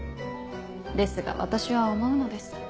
ですが私は思うのです。